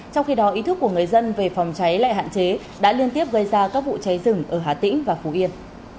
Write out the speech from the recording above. trong khi đó ý thức của người dân về phòng cháy lại hạn chế đã liên tiếp gây ra các vụ cháy rừng ở hà tĩnh và phú yên